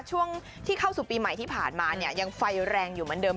ช่วงที่เข้าสู่ปีใหม่ที่ผ่านมาเนี่ยยังไฟแรงอยู่เหมือนเดิม